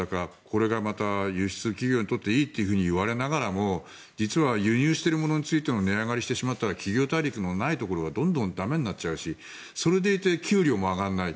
これが輸出企業にとっていいというふうに言われながらも実は、輸入している物についても値上がりしてしまったら企業体力のないところはどんどん駄目になっちゃうしそれでいて給料も上がらない。